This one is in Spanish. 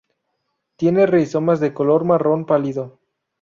Tiene rizomas de color marrón pálido.